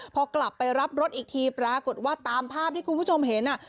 พอกลับไปรับรถอีกทีปรากฏว่าตามภาพที่คุณผู้ชมเห็น